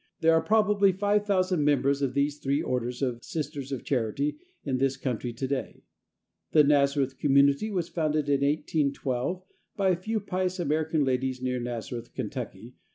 There are probably 5000 members of these three orders of Sisters of Charity in this country to day. The Nazareth community was founded in 1812 by a few pious American ladies near Nazareth, Ky.